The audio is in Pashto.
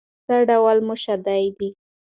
څه ډول موشادې دي؟